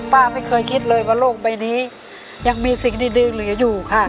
ป้าไม่เคยคิดเลยว่าโลกใบนี้ยังมีสิ่งดีเหลืออยู่ค่ะ